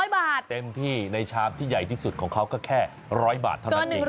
๐บาทเต็มที่ในชามที่ใหญ่ที่สุดของเขาก็แค่๑๐๐บาทเท่านั้นเอง